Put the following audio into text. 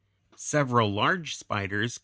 Several large spiders (Fig.